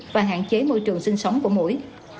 và hạn chế môi trường sinh sống của mũi